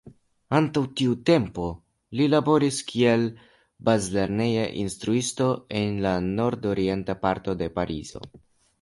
Antaŭ tiu tempo li laboris kiel bazlerneja instruisto en la nordorienta parto de Parizo.